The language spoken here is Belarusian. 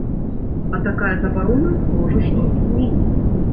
А такая забарона, можа, што і зменіць.